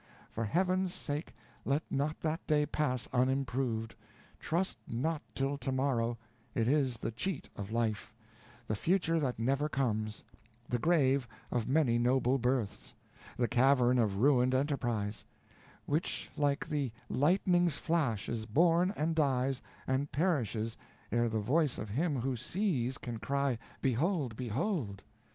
For Heaven's sake let not that day pass unimproved: trust not till tomorrow, it is the cheat of life the future that never comes the grave of many noble births the cavern of ruined enterprise: which like the lightning's flash is born, and dies, and perishes, ere the voice of him who sees can cry, _behold! behold!!